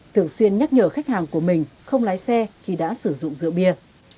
thường xuyên nhắc nhở khách hàng của mình không lái xe khi đã sử dụng rượu bia